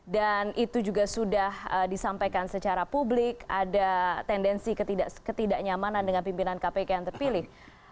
dan itu juga sudah disampaikan secara publik ada tendensi ketidaknyamanan dengan pimpinan kpk yang terpilih